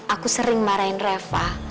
aku sering marahin reva